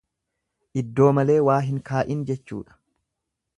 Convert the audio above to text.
Iddoo malee waa hin kaa'in jechuudha.